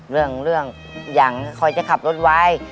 เรื่องอย่างคอยจะขับรถไว้